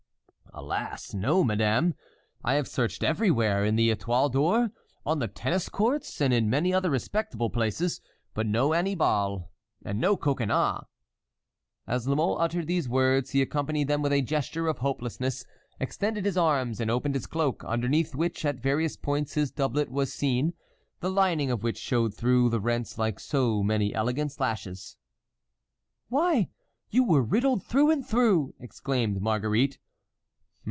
"Alas! no, madame! I have searched everywhere, in the Étoile d'Or, on the tennis courts, and in many other respectable places; but no Annibal, and no Coconnas"— As La Mole uttered these words he accompanied them with a gesture of hopelessness, extended his arms and opened his cloak, underneath which at various points his doublet was seen, the lining of which showed through the rents like so many elegant slashes. "Why, you were riddled through and through!" exclaimed Marguerite.